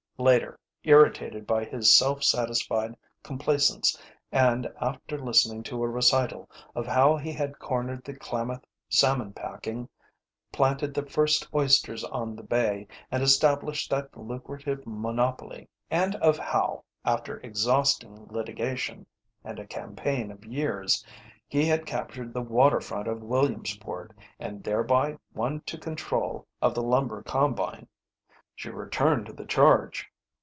Later, irritated by his self satisfied complacence and after listening to a recital of how he had cornered the Klamath salmon packing, planted the first oysters on the bay and established that lucrative monopoly, and of how, after exhausting litigation and a campaign of years he had captured the water front of Williamsport and thereby won to control of the Lumber Combine, she returned to the charge.